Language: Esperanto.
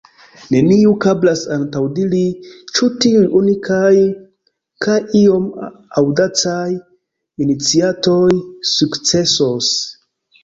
Neniu kapablas antaŭdiri, ĉu tiuj unikaj kaj iom aŭdacaj iniciatoj sukcesos.